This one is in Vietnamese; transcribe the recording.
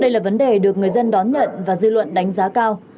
đây là vấn đề được người dân đón nhận và dư luận đánh giá cao